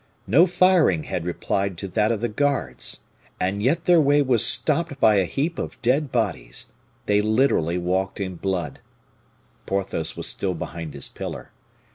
No firing had replied to that of the guards, and yet their way was stopped by a heap of dead bodies they literally walked in blood. Porthos was still behind his pillar.